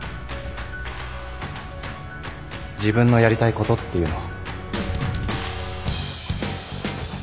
自分のやりたいことっていうのを。